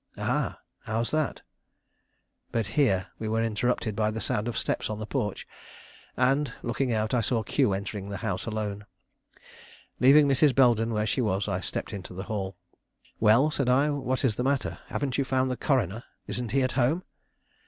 "Ah, how's that?" But here we were interrupted by the sound of steps on the porch, and, looking out, I saw Q entering the house alone. Leaving Mrs. Belden where she was, I stepped into the hall. "Well," said I, "what is the matter? Haven't you found the coroner? Isn't he at home?"